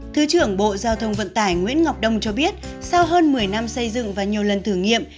thứ trưởng bộ giao thông vận tải nguyễn ngọc đông cho biết sau hơn một mươi năm xây dựng và nhiều lần thử nghiệm